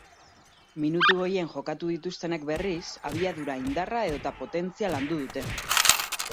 Minutu gehien jokatu dituztenek berriz, abiadura, indarra edota potentzia landu dute.